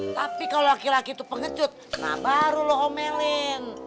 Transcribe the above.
tapi kalau laki laki itu pengecut nah baru lo omelin